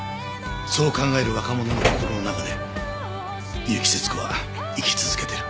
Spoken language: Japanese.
そう考える若者の心の中で結城節子は生き続けてる。